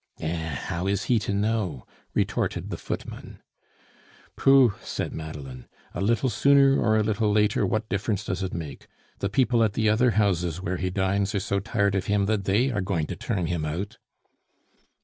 "Eh! How is he to know?" retorted the footman. "Pooh!" said Madeleine, "a little sooner or a little later what difference does it make? The people at the other houses where he dines are so tired of him that they are going to turn him out."